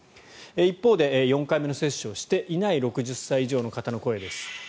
一方で４回目の接種をしていない６０歳以上の方の声です。